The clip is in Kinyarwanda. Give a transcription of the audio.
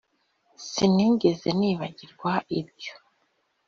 sinigeze nibagirwa ibyo.